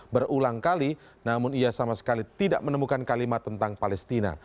berulang kali namun ia sama sekali tidak menemukan kalimat tentang palestina